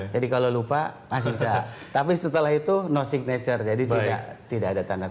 jadi kalau lupa masih bisa tapi setelah itu no signature jadi tidak ada tanda tangan